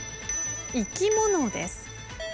生き物です。